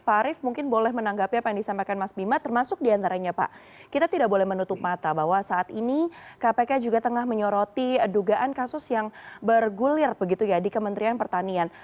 pak arief mungkin boleh menanggapi apa yang disampaikan mas bima termasuk diantaranya pak kita tidak boleh menutup mata bahwa saat ini kpk juga tengah menyoroti dugaan kasus yang bergulir begitu ya di kementerian pertanian